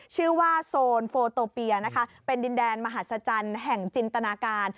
ชื่อว่าโซนโฟโตเปียนะคะเป็นดินแดนมหัศจรรย์แห่งจินตนาการ